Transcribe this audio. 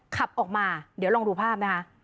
ขับออกมาเดี๋ยวลองดูภาพนะคะ